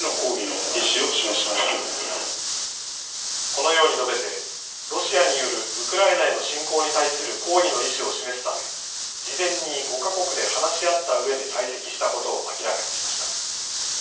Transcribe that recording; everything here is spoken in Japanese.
このように述べてロシアによるウクライナへの侵攻に対する抗議の意思を示すため事前に５か国で話し合った上で退席したことを明らかにしました。